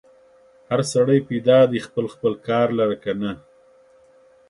هر سړی پیدا دی خپل خپل کار لره که نه؟